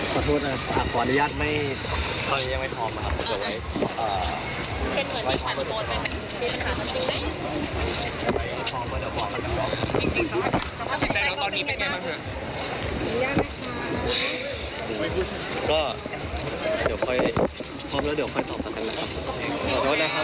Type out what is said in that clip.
ก็เดี๋ยวค่อยพร้อมแล้วเดี๋ยวค่อยตอบคำถามนะคะ